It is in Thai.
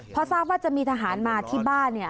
เพราะทราบว่าจะมีทหารมาที่บ้านเนี่ย